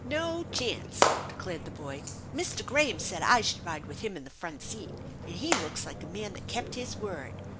" No chance !" declared the boy. " Mr. Graham said I should ride with him 'n the front seat, and he looks like a man that kept his word."